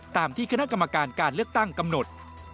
ตามที่คณะกรรมการการเลือกตั้งกำหนด